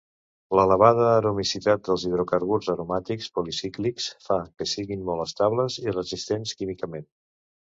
L'elevada aromaticitat dels hidrocarburs aromàtics policíclics fa que siguin molt estables i resistents químicament.